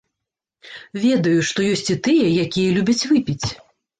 Ведаю, што ёсць і тыя, якія любяць выпіць.